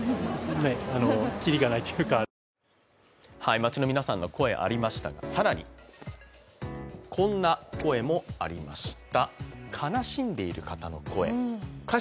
街の皆さんの声ありましたが、更にこんな声もありました。